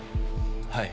はい。